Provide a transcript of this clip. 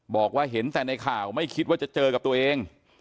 บอกว่าเห็นแต่ในข่าวไม่คิดว่าจะเจอกับตัวเอง